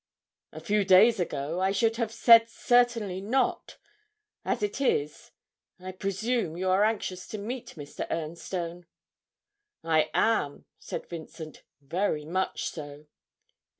'A few days ago I should have said certainly not; as it is I presume you are anxious to meet Mr. Ernstone?' 'I am,' said Vincent: 'very much so.'